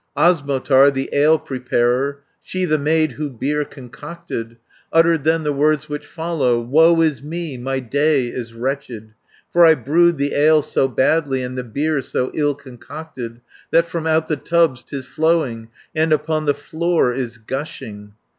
"Osmotar, the ale preparer, She, the maid who beer concocted, 400 Uttered then the words which follow: 'Woe is me, my day is wretched, For I brewed the ale so badly And the beer so ill concocted, That from out the tubs 'tis flowing, And upon the floor is gushing.'